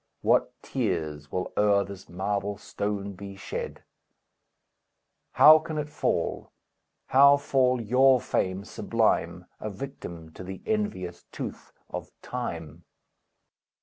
What tears will o'er this marble stone be shed! How can it fall? How fall your fame sublime, A victim to the envious tooth of Time?